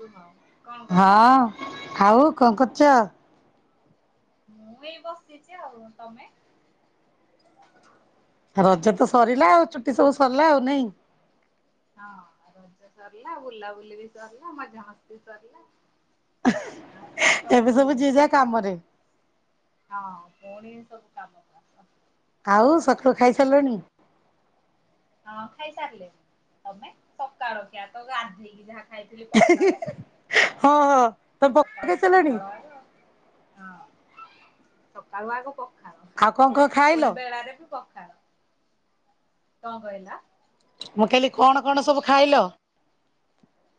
କୁହ କଣ କରୁଛ? ହଁ ଖାଉ। କଣ କରୁଚ। ମୁଁ ଏଇ ବସିଛି ଆଉ ତମେ। ରଜ ତ ସରିଲା ଆଉ ଛୁଟି ସବୁ ସରିଲା ଆଉ ନାଇଁ। ହଁ ରଜ ସରିଲା ବୁଲାବୁଲି ବି ସରିଲା ମଜାମସ୍ତି ସରିଲା। ଆଉ ତମେ କୁଆଡେ ଏବେ ବୁଲି ସବୁ ଯିଏ ଯାହା ଯାଇଥିଲ? କାମରେ। ହଁ ପୁଣି ସବୁ କାମ କର। ଆଉ ସକାଳୁ ଖାଇ ସାରିଲଣି। ହଁ ଖାଇ ସାରିଲିଣି ତମେ ସକାଳଖିଆ ତ ଗାଧେଇକି ଯାହା ଖାଇଥିଲି ପଖାଳ। [unintelligible] ହଁ ହଁ। ତମେ [inaudible] ସକାଳୁ ଖାଇ ସାରିଲଣି। ପଖାଳ ଆଗ ହଁ ସକାଳୁ ଆଗ ପଖା ଆଉ କଣ କଣ ଖାଇଲ। ପଖାଳ। କଣ କହିଲ। ମୁଁ କହିଲି କଣ କଣ ସବୁ ଖାଇଲ।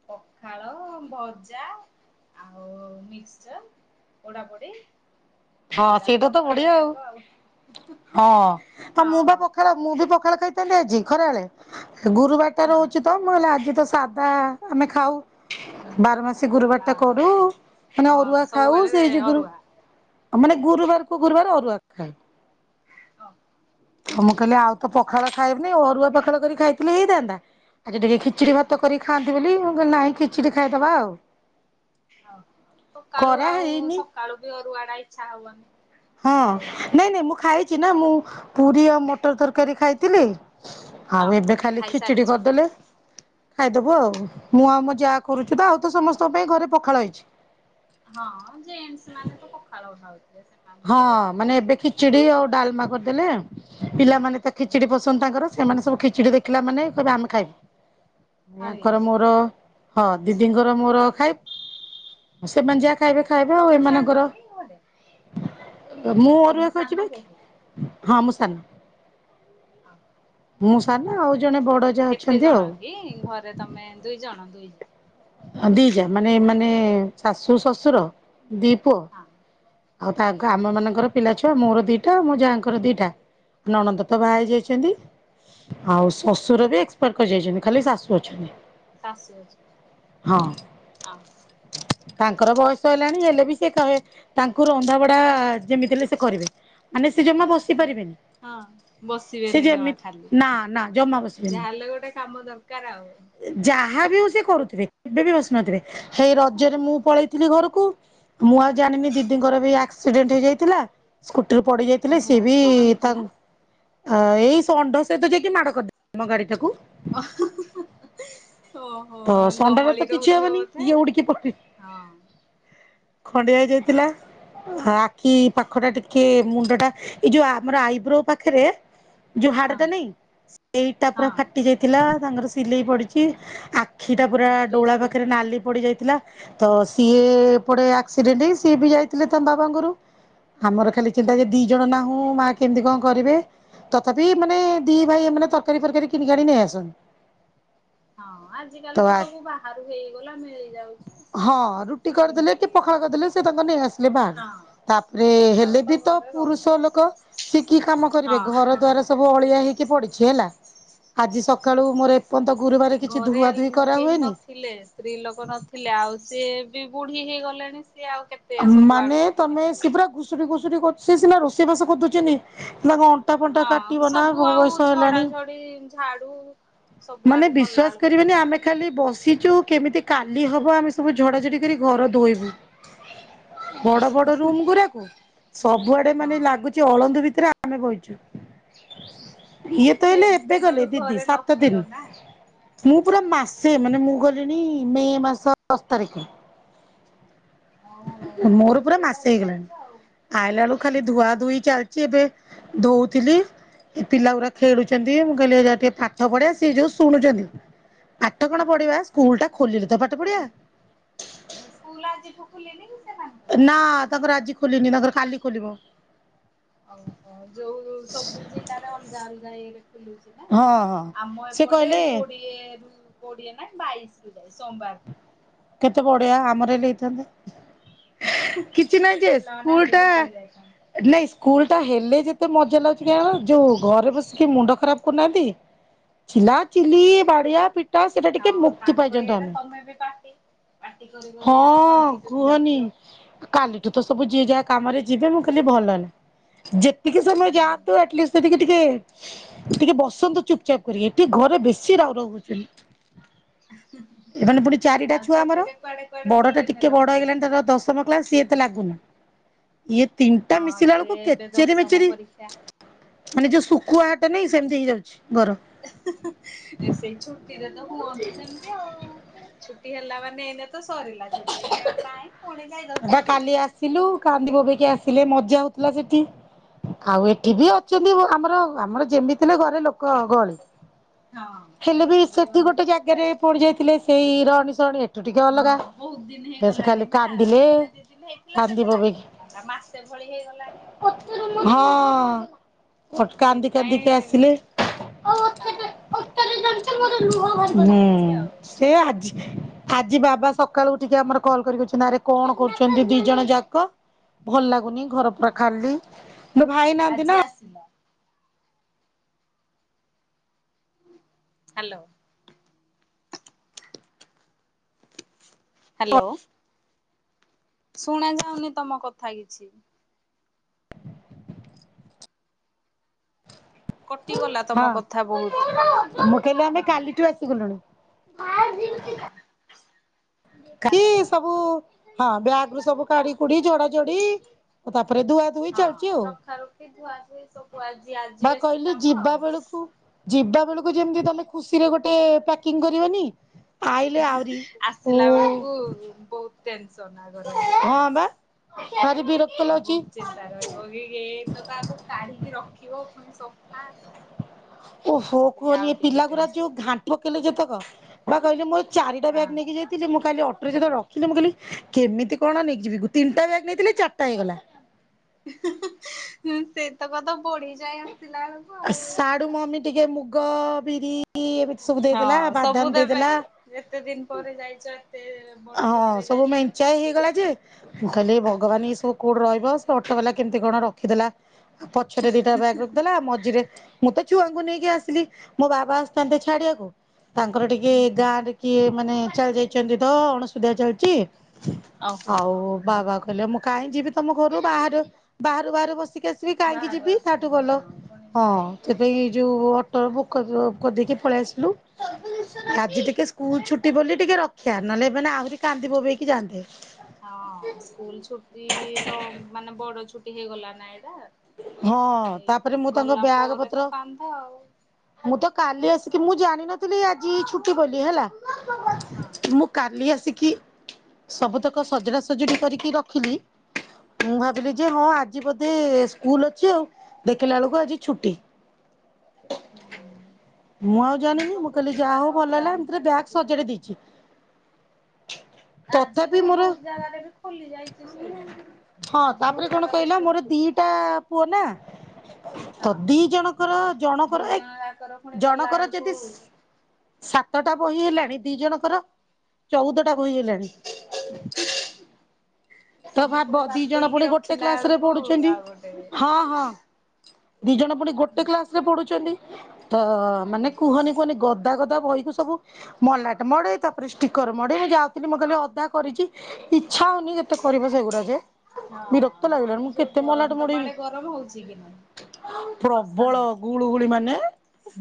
ପଖାଳ ଭଜା ଆଉ ମିକ୍ସର ପୋଡାପୋଡି। ହଁ ସେଇଟା ସେଟା ତ ପଖାଳରେ ବଢିଆ ଆଉ ଆଗ ହଁ ତ ମୁଁ ହଁ ବା ପଖାଳ ମୁଁ ବି ପଖାଳ ଖାଇ ଖାଇଥାନ୍ତି ଆଜି ଖରାବେଳେ। ଗୁରୁବାର ଟା ରହୁଛି ତ ମୁଁ ହେଲେ ଆଜି ତ ସ ସାଧା ଆମେ ଖାଉ ବାର ମାସି ସେ ଗୁରୁବାର ଟା ହଁ କରୁ ମାନେ ହଁ ଅରୁଆ ଖାଉ ସବୁବେଳେ ସେଇ ଯୋଗୁରୁ ଅରୁଆ ଗୁରୁ ମାନେ ଗୁରୁବାର କୁ ଗୁରୁବାର ଅରୁଆ ଖାଉ ଆଉ ମୁଁ କହିଲି ଆଉ ତ ପଖାଳ ଖାଇବିନି ଅରୁଆ ପଖାଳ କରି ଖାଇଥିଲି ହେଇଥାନ୍ତା। ଆଜି ଟିକେ ଖିଚିଡି ଭାତ କରିିକି ଖାଆନ୍ତି ବୋଲି ନାହିଁ ଖିଚିଡି ଖାଇଦବା ଆଉ ହଉ ସକାଳୁ ଖରା ଆଉ ହେଇନି। ସକାଳୁ ବି ଅରୁଆଡା ଇଛା ହବନି ହଁ ଖାଇବାକୁ ନାଇଁ ନାଇଁ ମୁଁ ଖାଇଛି। ନା ମୁଁ ପୁରୀ ଆଉ ମଟର ତରକାରୀ ଖାଇଥିଲି। ଆଉ ଓହୋ ଏବେ ଖାଲି ଖିଚଡି ଖାଇସାରିଛ କରିଦେଲେ ଖାଇ ଦବୁ ଆଉ ମୁଁ ଆଉ ଆମ ଯା କରୁଛୁ ତ ଆଉ ତ ସମସ୍ତଙ୍କ ପାଇଁ ଘରେ ପଖାଳ ହେଇଛି। ହଁ ଜେଣ୍ଟସ ମାନେ ତ ପଖାଳ ଖାଉଥିବ ହଁ ମାନେ ଏବେ ଖିଚୁଡି ଆଉ ଡାଲମା କରିଦେଲେ ପିଲାମାନେ ତ ଖିଚଡି ପସନ୍ଦ ତାଙ୍କର ସେମାନେ ସବୁ ଖିଚୁଡି ଦେଖିଲା ମାନେ ଆମେ ଖାଇବୁ ହଁ କି ୟାଙ୍କର ମୋର ହଁ ଦିଦିଙ୍କର ମୋର ଖାଇ ସେମାନେ ଯାହା ଖାଇବେ ଖାଇବେ ଆଉ ତମେ ସାନ ଏମାନଙ୍କର କି ଘରେ ମୁଁ ଅରୁଆ ତମେ ସାନ କରିଛି ବା ବୋହୂ ହଁ ମୁଁ ସାନ ହଁ। ମୁଁ ସାନ ଆଉ ଜଣେ ବଡ ଯା କେତେ ଅଛନ୍ତି ଆଉ ଜଣ କି ଘରେ ତମେ ଦୁଇ ଜଣ ଦୁଇ ଜା ଦି ଯା ମାନେ ମାନେ ଶାଶୁ ଶ୍ୱଶୁର ଦିଇ ପୁଅ ହଁ ଆଉ ତାଙ୍କ ଆମ ମାନଙ୍କର ପିଲା ଛୁଆ ମୋର ଦିଇ ଟା ମୋ ଯାହାଙ୍କର ଦିଇ ଟା ନାନଦଅ ବାହା ହଁ ହେଇ ହଁ। ଯାଇଛନ୍ତି। ଆଉ ହୁଁ ଶ୍ୱଶୁର ବି ଏକ୍ସପିରେ କରି ଯାଇଛନ୍ତି। ଖାଲି ଶାଶୁ ଅଛନ୍ତି। ଶାଶୁ ଅଛନ୍ତି ହଁ ତାଙ୍କର ବୟସ ହେଲାଣି ହେଲେ ବି ସେ କହେ ତାଙ୍କୁ ରନ୍ଧାବଢା ଯେମିତି ହେଲେ ସେ କରିବେ ମାନେ ସେ ଜମା ବସି ପାରିବେନି ହଁ ସେ ବସିବେନି ଜମା ଯେମିତି ଖାଲି ନା ନା ଜମା ବସିବେନି ଯାହାହେଲେ ଗୋଟେ କାମ ଦରକାର ଆଉ। ଯାହା ବି ହଉ ସେ କରୁଥିବେ କେବେ ବି ହଁ ହେଇ ରଜରେ ମୁଁ ପଳେଇଥିଲି ଘରକୁ ମୁଁ ଆଉ ଜାଣିନି ଦିଦି ଦିଦିଙ୍କର ବି ଆକ୍ସିଡେଣ୍ଟ ହେଇଯାଇଥିଲା। ପଡ଼ି ଯାଇଥିଲେ ଓହୋ ସିଏ ବି କଣ ହେଇଥିଲା? ତାଙ୍କ ଏଇ ଷଣ୍ଢ ସହିତ ଯାଇକି ମାଡ଼ କରିଦେଲେ ଆମ ଗାଡି ଟାକୁ ଓ ଓହୋ ତ ଷଣ୍ଢର ତ ଗହଳି କିଛି ରହୁଥିବ ହବନି ବୋଧେ ଇଏ ଉଡିକି ପଡି ହଁ ଖଣ୍ଡିଆ ହେଇଯାଇଥିଲା ଆଖି ପାଖ ଟା ଟିକେ ମୁଣ୍ଡ ଟା ଏଇ ଯୋଉ ଆମର ଆଇବ୍ରୋ ପାଖରେ ଯୋଉ ହାଡ ହଁ ଟା ନାଇଁ ସେଇଟା ପୁରା ହଁ ଫାଟି ଯାଇଥିଲା। ତାଙ୍କର ସିଲେଇ ପଡିଛି। ଆଖି ଟା ପୁରା ଓହୋ ଷ୍ଟେଜ ଡୋଳା ପାଖରେ ପଡିଥିବ ନାଲି ପଡି ଯାଇଥିଲା। ତ ସିଏ ଏପଡେ ଆକ୍ସିଡେଣ୍ଟ ହେଇ ସିଏ ବି ଯାଇ। ଥିଲେ ତ ବାବାଙ୍କରୁ ଆମର ଖାଲି ହୁଁ। ଚିନ୍ତା ଯେ ଦି ଜଣ ନାହୁଁ ମା କେମିତି କଣ କରିବେ ତଥାପି ମାନେ ଦି ଭାଇ ମାନେ ତରକାରୀ ଫରକାରୀ କିଣିକାଣି ନେଇ ଆସନ୍ତି। ହଁ ଆଜିିକାଲି ତ ସବୁ ବାହାରୁ ହେଇଗଲା ମିଳିଯାଉଛି ହଁ ରୁଟି କରିଦେଲେ କି କିଣିକି ପଖାଳ କରିଦେଲେ ସେ ତାଙ୍କର ନେଇ ଆସିଲେ ତାପରେ ପଖାଳ ହେଲେ ବି ତ ଘରେ ପୁରୁଷ ରହୁଛି। ଲୋକ ସେ କି କାମ କରିବେ ହଁ ଘର ଦ୍ବାର ସବୁ ଅଳିଆ ହେ କି ପଡିଛି ହେଲା ଆଜି ସକାଳୁ ମୋର ଏପର୍ଯ୍ୟନ୍ତ ଗୁରୁବାର କିଛି ଘରେ ଧୁଆ ଧୁଇ କରା କେହି ହୁଏନି ନଥିଲେ ସ୍ତ୍ରୀ ଲୋକ ନଥିଲେ ଆଉ ସିଏ ବି ବୁଢୀ ହେଇଗଲେଣି। ସିଏ ଆଉ କେତେ ସବୁ ଆଡୁ ମାନେ ତ ତମେ ସେ ପୁରା କରିପାରିବେନି। ଘୁଷୁରୀ ଘୁଷୁରୀ ସିନା ରୋଷେଇ ବାସ କରିଦଉଛନ୍ତିି ହେଲା କଣ? ଅଣ୍ଟା ଫଣ୍ଟା ହଁ କାଟିବ ନା ବ ବୟସ ହେଲାଣି। ଝାଡ଼ୁ। ମାନେ ବିଶ୍ଵାସ କରିବନି ଆମେ ଖାଲି ବସି ଯୋଉ କେମିତି କାଲି ହବ ଆମେ ସବୁ ଝଡାଝଡି କରି ଘର ଧୋଇବୁ ବଡ ବଡ ରୁମ ଗୁରାକୁ ସବୁଆଡେ ମାନେ ହଁ ଲାଗୁଚି ଅଳନ୍ଦୁ ବି ଏଥିରେ ଆମେ ବଇଛୁ। ଇଏ ତ ସେ ହେଲେ ଏବେ ଗଲେ ଦିନଠୁ ଦିଦି ଘରେ ସାତ ନଥିଲ ଦିନ ନା। ମୁଁ ପୁରା ମାସେ ମାନେ ମୁଁ ଗଲିଣିି ମେ ମାସ ଦଶ ତାରିଖ ଓହୋ ଲଙ୍ଗ ମୋର ପୁରା ଛୁଟିରେ ମାସେ ତାହେଲେ ହେଇଗଲାଣି ଯାଇଛ ଆଉ। ଆଇଲା ବେଳୁ ଖାଲି ଧୁଆ ଧୁଇ ଚାଲିଚ। ଏବେ ଧୋଉଥିଲି ଏ ପିଲା ଗୁଡା ଖେଳୁଛନ୍ତି ମୁଁ କହିଲି ଟିକେ ପାଠ ପଢେ ସିଏ ଯୋଉ ଶୁଣୁଛନ୍ତି। ପାଠ କଣ ପଢିବା ସ୍କୁଲ ଟା ଖୋଲିଲେ ତ ପାଠ ପଢିବା। ସ୍କୁଲ ଆଜିଠୁ ଖୋଲିନି କି ସେମାନଙ୍କର? ନା ତାଙ୍କର ଆଜି ଖୋଲିନି ତାଙ୍କର କାଲି ଖୋଲିବ। ଓଉ ହୋ ଯୋଉ ସବୁ ଜିଲ୍ଲାରେ ଅଲଗା ଅଲ ନାଇଁ ବୁଲୁଛି ନା ହଁ ହଁ। ଆମ ସେ ଏପଟେ କହିଲେ କୋଡିଏ ରୁ କୋଡିଏ ନା ବାଇସି। ସୋମବାର କେତେ ଵଡିଆ ଆମର ହେଲେ ହେଇଥାନ୍ତେ। କିଛି ନାହିଁ ଯେ ପିଲାମାନେ ସ୍କୁଲ ଆହୁରି ଟା ଖୁସି ହେଇଯାଇଥାନ୍ତେ ନାଇଁ? ସ୍କୁଲ ଟା ହେଲେ ଯେତେ ମଜା ଲାଗୁଛି କି ଯୋଉ ଘରେ ବସିକି ମୁଣ୍ଡ ଖରାପ କରୁନାହାନ୍ତି ଚିଲା ହଁ। ଚିଲି ବା ବାଡିଆ ପିଟା। ସେଇଟା ଟିକେ ହଁ ମୁକ୍ତି ତାଙ୍କ ପାଇଛନ୍ତି ଇଏରେ ଆମେ। ତମେ ବି ପାଟି ପାଟି କରି କରି ଆଗ ହଁ ତଣ୍ଟି ଶୁଖି କୁହନି ଯାଉଥିବ। କାଲିଠୁ ତ ସବୁ ଯିଏ ଯାହା କାମରେ ଯିବେ ମୁଁ କାଲି ଭଲ ନୁହି ଯେତେ ଟିକେ ସମୟ ହୁଁ ଯାଆନ୍ତୁ ଆଟଲିସି। ଟିକେ ଟିକେ ବସନ୍ତ ଚୁପଚାପ କରିକି ଟିକେ ଘରେ ବେଶୀ ରାଉ ରାଉ ହଉଛନ୍ତି। ଏ ମାନେ ପୁଣି ଚାରିଟା ଆଉ ଛୁଆ ଆମର ଛୁଟିରେ କୁଆଡେ କୁଆଡେ ବଡ ଟା ବୁଲେଇ ଟିକେ ନେଲ ବଡ ପିଲାଙ୍କୁ? ହେଇଗଲାଣି ତାର ଦଶମ କ୍ଲାସ ସିଏ ଲାଗୁନି। ଇଏ ତିନିଟା ହଁ ମିଶିଲା ସେ ବେଳକୁ ଏବେ କେଚେରେ ଦଶମ ମେଚେରେ। ପରୀକ୍ଷା ମାନେ ଯୋଉ ଶୁକୁଆ ହାଟ ନାଇଁ ସେମିତି ହେଇଯାଉଛି। ଘର। ସେ ଛୁଟିରେ ତ କୁହନ୍ତି ସେମିତି ଆଉ ଛୁଟି ହେଲା ମାନେ ଏଇନେ ତ ସରିଲା ଯଲଦି ଏଇନେ ଆଉ ନାହିଁ। ପୁଣି ଯାଇ ବା ଦଶରା। କାଲି ଆସିଲୁ। କାନ୍ଦି ବୋବେଇକି ଆସିଲେ ମଜା ହଉଥିଲା ସେଠି। ଆଉ ଏଠି ବି ହଁ ଅଛନ୍ତି ଆମର ଆମର ଯେମିତି ନା ଘରେ ଲୋକ ଗହଳି। ହଁ ହେଲେ ବି ହେଠିକି ସେଠି ଗଲେ ବି ଗୋଟେ ଲୋକ ଜାଗାରେ ଏଠି ବି ପୁଣି ଲୋକ। ଯାଇଥିଲେ ସେଇ ରଣି ଶୁଣୁଏ ହଁ ବହୁତ ଦିନ ହେଇଗଲାଣି ନା କାନ୍ଦିଲେ ଦିନେ ଦି ଦିନ ହେଇଥିଲା କାନ୍ଦି ସେତେ ବୋବେଇକି। ଲାଗିନଥାନ୍ତା ମାସେ ଭଳି ହେଇଗଲାଣି? ହଁ କାନ୍ଦି ସେଥିପାଇଁ କାନ୍ଦିକି ଆସିଲେ। ହୁଁ ହଁ। ସେଥିପାଇଁ ସେମିତି ଲାଗୁଛି ଆଉ ସେ ଆଜି ଆଜି ବାବା ସକାଳୁ ଉଠିକି ଆମର କଲ କରି କହୁଛନ୍ତି ଆରେ କଣ କରୁଛନ୍ତି ଦି ଜଣ ଯାକ ଭ ଗୁନି ଘର ପୁରା ହଁ ଖାଲି ଭାଇ ନାହାନ୍ତି ଆଜି ନା। ଆସିଲ ହାଲୋ। ହାଲୋ। ଶୁଣା ଯାଉନି ତମ କଥା କିଛି। କଟିଗଲା ହଁ ତମ କଥା ବହୁତ। [unintelligible] ମୁଁ କହିଲି ଆମେ ହଁ କାଲିଠୁ ଆସିଗଲୁଣି। [unintelligible] [inaudible] କି କାଲି ଆସିବ। ସବୁ ହଁ ବ୍ୟାଗରୁୁ ସବୁ କାଢି କୁଢ଼ି ଯୋଡା ଯୋଡି ଆଉ ତା ପ ତାପରେ ଧୁଆ ଧୁଇ ହଁ ଚାଲିଛି ରଖା ରଖି ଧୁଆ ଧୁଇ ସବୁ ଆଜି ଆଜି ବା ବେଶୀ କହିଲି କାମ ଆଉ। ଆଉ ଯେମତି ତମେ ଖୁସିରେ ଗୋଟେ ପକିଂ କରିବନି। ଆଇଲେ ଆହୁରି ଓ ଥିଲାବେଳକୁ ବହୁତ। [unintelligible] ହଁ ବା [unintelligible] ଭାରି ବିରକ୍ତ ଏ ଲାଗୁଛି ତ କାହାକୁ କାଢିକି ରଖିବ। [unintelligible] ଓହୋ ସେ କୁହନି ଆଉ ଏ ଟିକେ ପିଲା ଗୁରା ଟେନସନ ଯୋଉ [inaudible] ଯେତେକ ବା କହିଲେ ମୁଁ ଏ ଚାରିଟା ବ୍ୟାଗ୍ ନେଇକି ହଁ। ଯାଇଥିଲି ମୁଁ ଖାଲି ଅ ମୁଁ ଯେତେବେଳେ ରଖିଲି ମୁଁ କହିଲି କେମିତି କଣ ନେଇଯିବି ତିନିଟା ବ୍ୟାଗ୍ ନେଇଥିଲି ଚାରିଟା ହେଇଗଲା। ସେତକ ତ ବଢିଯାଏ ଆ ପିଲାବେଳକୁୁ ଆଉ ସାଡୁ ମମି ଟିକେ ମୁଗ ବିରି ଏବେ ହଁ ସବୁ ଦେବେ ଏତେ ଦିନ ପରେ ଯାଇଛ ଏତେ ବଡ ହଁ ଛୁଟିରେ ସବୁ ଯାଇଥିଲ ନା। ମେଞ୍ଚାଏ ହେଇଗଲା ଯେ ମୁଁ ଖାଲି ଭଗବାନ ଏଇ ସବୁ କୋଉଠୁ ରହିବ ସେ ଅଟୋ ବାଲା କେମିତି କଣ ରଖିଦେଲା। ପଛ ରେ ଦିଟା ବ୍ୟାଗ ରଖିଦେଲା ମଝିରେ ମୁଁ ତ ଛୁଆଙ୍କୁ ନେଇକି ଆସିଲି ମୋ ବାବା ଆସିଥାନ୍ତେ ଛାଡିବାକୁ ତାଙ୍କର ଟିକେ ଗାଁ ରେ କିଏ ମାନେ ଚାଲି ଯାଇଛନ୍ତି ତ ହସ୍ପିଟାଲ ଚା ଚି ଓହୋ ଆଉ ବାବା କ କହିଲେ ମୁଁ କାହିଁ ଯିବି ତମ ଘରୁ ବାହାରୁ ବାହରୁ ବାହାରୁ ବସି ବସିକି ଆସିବି କାହିଁକି ବାହାରୁ ଯିବି ତାଠୁ ଆସିଥିବେ ଭଲ ହଁ ପୁଣି ହଁ ଯାଇକି ସେଥିପାଇ ଏଁ ଅସୁବିଧା। ଯୋଉ ଅଟୋ ବୁକ କରି କରିଦେକି ପଳେଇ ଆସିଲୁ ଆଜି ଟିକେ ସ୍କୁଲ ଛୁଟି ବୋଲି ଟିକେ ରକ୍ଷା ନହେଲେ ମାନେ ଆହୁରି କାନ୍ଦି ବୋବେଇକି ଯାଆନ୍ତେ। ହଁ ସ୍କୁଲ ଛୁଟି ଲ ମାନେ ବଡ ଛୁ ହେଇଗଲା ନାଇଁ ହଁ ତାପରେ ମୁଁ ତାଙ୍କ ଗଲା ବ୍ୟାଗ ପରେ ପତ୍ର ତ କାନ୍ଦ ଆଉ। ମୁଁ ତ କାଲି ଆସି କି ମୁଁ ଜାଣିନଥିଲି ଆଜି ଛୁଟି ବୋଲି ହେଲା। ହଁ ମୁଁ କାଲି ଆସି କି ସବୁତକ ସଜଡା ସଜଡ଼ି କରିକି ରଖିଲି ମୁଁ ଭାବିଲି ଯେ ହଁ ଆଜି ବୋଧେ ସ୍କୁଲ ଅଛି ଆଉ ଦେଖିଲା ବେଳକୁ ଆଜି ଛୁଟି। ହ ମୁଁ ଆଉ ଜାଣିନି ମୁଁ ସବୁ କହିଲି ଯାହା ହଉ ଜିଲ୍ାରେ ଭଲ ଅଲଗା ହେଲା ଏମିତିରେ ଅଲଗାଛୁ ବ୍ୟାଗ୍ ରହି ସଜାଡି ଦେଇଛି। ନା ଆଜି ତଥାପି ମୋର ବହୁତ ଜାଗାରେ ବି ଖୋଲି ଯାଇଛି ସ୍ ଆଜି ବହୁତ ଜାଗ ପ ନା ତ ଦି ଜଣଙ୍କର ଦି ଜଣକର ଏ ଜଣ ଯାକର ପୁଣି କଲା ଜଣକର ବେଳକୁ ଯଦିାତ ସତଟା ବହି ହେଲାଣି ଦି ଜଣଙ୍କର ଚଉଦଟା ବହି ହେଲାଣି। [inaudible] ତ ସବୁ ଭାବ ପୁଣି ଦି ଜଣ ବାତେଇକି ପୁଣି ଗୋଟେ ରଖିଲା କ୍ଲାସ ରେ ବେଳକୁ ପଢୁଛନ୍ତି ଆଉ ଗୋଟେ ହଁ ହଁ। ଦି ଜଣ ପୁଣି ଗୋଟେ କ୍ଲାସ ରେ ପଢୁଛନ୍ତି। ତ ମାନେ କୁହନି କୁହନି ଗ ଅଧା ଗଦା ବହିକୁ ସବୁ ମଲାଟ ମଡ ତାପରେ ଷ୍ଟିକର ମଡେ ମୁଁ ଯାଉଥିଲି ମୁଁ କହିଲି ଅଧା କରିଛି ଇଚ୍ଛା ହଉନି। ଏେ କରିବା ସେଗୁଡ଼ା ଯେ ହଁ ବିରକ୍ତ ଲାଗିଲାଣି ପୁଣି ମୁଁ ଯୋଉ କେତେ ମଲାଟ ଗରମ ତ ମଡେଇବି ମଡେ ଗରମ ହଉଛି କି ନାହିଁ କି ବର୍ଷା ପ୍ରବଳ ହଉଚ ଗୁଳୁଗୁଳି ମାନେ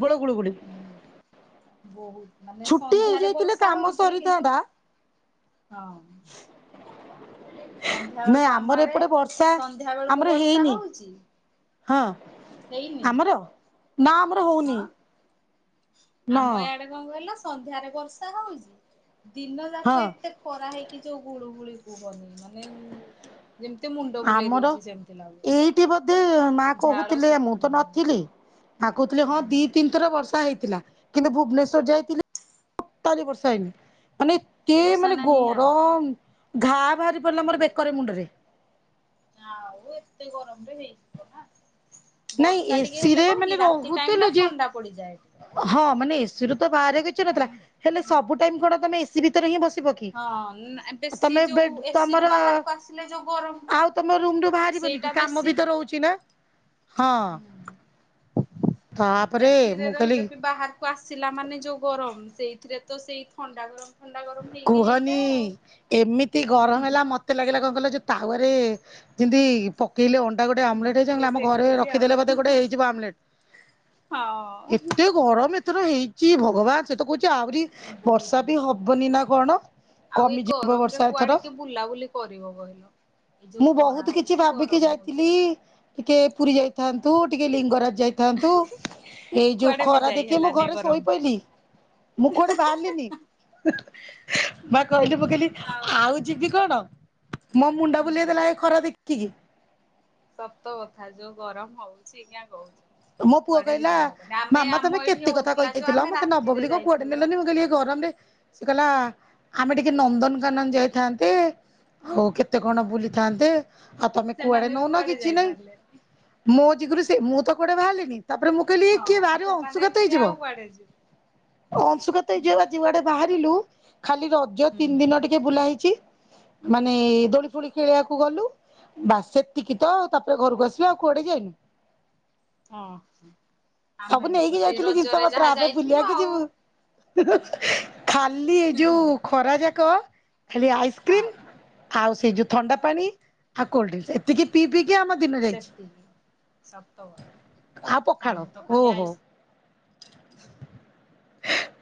ପ୍ରବଳ ଗୁଳୁଗୁଳି ବହୁତ ମାନେ ଛୁଟି ସନ୍ଧ୍ୟାରେ ହେଇଯାଇଥିଲେ ବର୍ଷା କାମ ହଉଚ କିନ୍ତୁ ସରିଥାନ୍ତା ହଁ। ସନ୍ଧ୍ୟା ନାଇଁ ବେଳକୁ ଆମର ଆମଡ ଏପଟେ ବର୍ଷା ସନ୍ଧ୍ୟା ବେଳକୁ ଆମର ବର୍ଷା ହେଇନି ହଉଚ। ହଁ। ଆମର ନା ଆମର ହଉନି। ହଁ ନା ଆମ ଇଆଡେ କଣ କହିଲ? ସନ୍ଧ୍ୟାରେ ବର୍ଷା ହଉଛି। ଦିନ ହଁ ଯାକ ଏତେ ଖରା ହେଇକି ଯୋଉ ଗୋଳୁ ଳି ପବନି ମାନେ ଯେମିତି ମୁଣ୍ଡ ବୁଲେଇ ଆମର ଦଉଛି ସେମିତି ଲାଗୁଛି ଏଇଠି ବୋଧେ ମା ଝାଳ କହୁଥିଲେ ମୁଁ ଶୁଖୁନି ତ ଦେହରୁ ନଥିଲି। କାକୁ ଥିଲେ ହଁ ହୁଁ ଦି ତିନିଥର ବର୍ଷା ହେଇଥିଲା। ଥିଲା କିନ୍ତୁ ଭୁବନେଶ୍୍ୱଵର ଯାଇଥିଲେ। ସ ପରସେଣ୍ଟ। ମାନେ ସେ ବର୍ଷା ମାନେ ନାହିଁ ଇଆଡେ ଗରମ ଘାଟ ବାହାରି ପଡିଲା ମୋରେକୀ ମୁଣ୍ଡ ରେ ଆଉ ଏତେ ଗରମରେ ହେଇଯିବ ନା। ନାଇଁ ବର୍ଷା ଟିକେ ହେଲେ ଏସିରେ କଣ କି ମାନେ ରାତି ଟାଇମ ଟା ରହୁଥିଲୁ ଯେ ଥଣ୍ଡା ପଡିଯାଏ ଟିକେ ହଁ ମାନେ ଏସି ର ତ ବାହାରେ କିଛ ନଥିଲା ହେଲେ ସବୁ ଟାଇମ କଣ ତମେ ଏସି ଭିତରେ ହିଁ ବସ ଥିବ କି ହଁ ବେଶୀ ତମେ ଯୋଉ ଏସି ରୁ ତମର ବାହାରକୁ ଆସିଲେ ଯୋଉ ଗରମ ଟା ଆଉ ତମ ରୁମ୍ ରୁ ବାହାରିବନି କି ସେଇଟା କାମ ବେଶୀ ବି ତ ରହୁଛି ନା। ହଁ। [unintelligible] ଏସିି ରେ ମୁଁ କହିଲି ରହିଲେ ବି ବାହାରକୁ ଆସିଲା ମାନେ ଯୋଉ ଗରମ। ସେଇଥିରେ ତ ସେଇ ଥଣ୍ଡାଗରମ୍ କୁହନି ଏମିତି ଗରମ ହେଲା ମତେ ଲାଗିଲା କଣ କହିଲ ତାୱା ରେ ଯେନ୍ତି କଲେ ଅଣ୍ଟା ଗୋଟେ ଆମଲେଟ ହେଇ କିଏ ଆମ ଘରେ ସେକୁଛି ଆଉ ରଖିଦେଲେ ବୋଧେ ଗୋଟେ ହେଇଯିବ ଆମଲେଟ ହଁ ଏତେ ଗରମ ଏ [unintelligible] ହେଇଛି ଭଗବାନ ସେ ତ କହୁଚି ଆହୁରି ବହୁତ ବର୍ଷା ହେଇଛି। ବି ହବ୍ ଦିନ କଣ? ଆଉ ଏ କମିଯିବ ଗରମ ରେ ବର୍ଷା ଏଥର କୁଆଡେ କି ବୁଲାବୁଲି କରିବ କହିଲ। ଏଇ ଯୋଉ ମୁଁ ଖରା ବହୁତ କିଛି ହଉଛି ଭାବିକି ଗରମ ହଉଛି ଯାଇଥିଲି ଟିକେ ପୁ ଯାଇଥାନ୍ତୁ ଟିକେ ଲିଙ୍ଗରାଜ ଯାଇଥାନ୍ତୁ ଏଇ ଯୋଉ କୁଆଡେ ବି ଖରା ଯାଇ ଦେଖି ମୁଁ ହେଲାନି ଘରେ ଗରମ ଶୋଇ ପାଇଁ। ପଇଲିି। ମୁଁ କୁଆଡେ ବାହାରିଲିନି ମା କହିଲି ମୁଁ କହିଲି ଆଉ ଯିବି କଣ? [unintelligible] ବୁଲେଇ ଦେଲା ଏ ଖରା ଦେଖିକି। ସତ କଥା ଯୋଉ ଗରମ ହଉଛି କିଆଁ କହୁଛ। ମୋ ପୁଅ କୁଆଡେ ବି କହିଲା ଯାଇ ହବନି ଆମେ ମାମା ଆମ ତମେ ଏଇଠି କେତେ କଥା ହଉଥିଲା ଯୋଉ କହିକି ଆ। ଆମେ ମତେ ନବ ରାତିରେ ବୋଲି କଣ କୁଆଡେ ଯାଇଥିଲୁ ବା। ନେଲନି ମୁଁ କହିଲି ଗରମରେ କହିଲା ଆମେ ଟିକେ ନନ୍ଦନକାନନ ଯାଇଥାନ୍ତେ। ଆଉ କେତେ କଣ ବୁଲିଥାନ୍ତେ ଆଉ ତମେ କୁଆଡେ ସେମାନେ ବି ନଉନ କିଛି ନାଇଁ। ଯାଇପାରିଲେନି। ମୋ [unintelligible] ମୁଁ ତ କୁଆଡ଼େ ବାହାରିଲିନି। ତାପରେ ମୁଁ କହିଲି ହଁ କିଏ ବାହାରିବ ସେମାନେ ଅଂଶୁଘାତ ଏକୁଟିଆ ହେଇଯିବ। ଆଉ କୁଆଡେ ଯିବେ। ଅଂଶୁଘାତ ହେଇଯିବ ବା ଯୁଆଡେ ବାହାରି। [unintelligible] ଖାଲି ରଜ ତିନି ଦିନ ଟିକେ ବୁଲା ହେଇଛି। ମାନେ ଦୋଳି ଫୋଳି ଖେଳିବାକୁ ଗଲୁ ବାସ୍। ସେତିକି ତ ତାପରେ ଘରକୁ ଆସିଲୁ ଆଉ କୁଆଡେ ଯାଇନୁ। ହଁ, ସବୁ ଆମେ ବି ନେଇକି ତ ସେଇ ଯାଇଥିଲି ଜିନିଷ ରଜରେ ପତ୍ର ଯାହା ଆମେ ଯାଇଥିଲୁ ବୁଲିବାକୁ ଆଉ। ଯିବୁ [inaudible] ଖାଲି ଏ ଯୋଉ ଖରା ଯାକ ଖାଲି ହଁ ଆଇସକ୍ରିମ ଆଉ ସେଇ ଯୋଉ ଥଣ୍ଡା ପାଣି ଆଉ କୋଲଡ୍ରିଙ୍କସ ଏତିକି ପିଇ ପିିଇ ସେତିିକି ସ ହଁ ପ ଖାଳ ହ ହୋ। ଆଇସ୍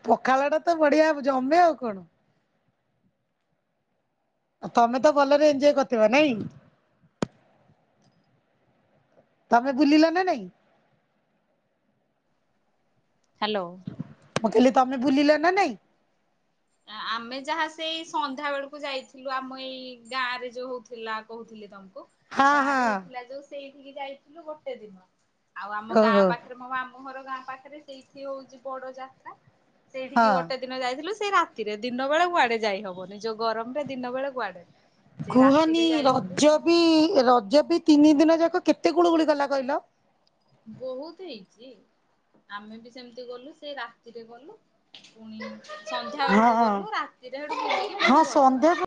ପଖାଳ ଟା ତ ବଢିଆବ ଜମେ ଆଉ କଣ? ଆ ତମେ ତ ଭଲରେ ଏଜୟ କରିଥିବା ନାଇଁ ତମେ ବୁଲିଲ ନା ନାଇଁ। ହ୍ୟାଲୋ। ମୁଁ କହିଲେ ତମେ ଭୁଲିଲ ନା ନାଇଁ। ଆମେ ଯାହା ସେଇ ସନ୍ଧ୍ୟା ବେଳକୁ ଯାଇଥିଲୁ ଆମ ଏଇ ଗାଁ ରେ ଯୋଉ ହଉଥିଲା କହୁଥିଲେ ତମକୁ। ହଁ ଗାଁ ରେ ହଁ ହେଇଥିଲା ଯୋଉ ସେଇ ଠିକି ଯାଇଥିଲୁ ଗୋଟେ ଦିନ ଆଉ ଆମ ଗାଁ ଓହୋ ପାଖରେ ମ ଆମ ଘର। ଗାଁ ପାଖରେ ସେଇଠି ହଉଛି ବଡ ଯାତ୍ରା। ସେଇଠିକି ହଁ। ଗୋଟେ ଦିନ ଯାଇଥିଲୁ। ସେ ରାତିରେ ଦିନ ବେଳେ କୁଆଡେ ଯାଇ ହବନି ଯୋଉ ଗରମ ରେ ଦିନ ବେଳେ କୁଆଡେ ସେ କୁହନି ରାତିରେ ଯାଇଥିଲୁ ରଜ ସେମିତି ବି ରଜ ବି ତିନି ଦିନ ଯାକ। କେତେ ଗୁଣ ଗୁଳି ଗଲା କହିଲ? ବହୁତ ହେଇଛି ଆମେ ବି ସେମିତି ଗଲୁ ସେ ରାତିରେ ଗଲୁ। ପୁଣି ସନ୍ଧ୍ୟା ବେଳକୁ ହଁ ଗଲୁ ରାତିରେ ସେଠୁ ବୁଲିକି ହଁ ପୁଣି ଘରକୁ ସନ୍ଧ୍ୟା ଆସିଲୁ।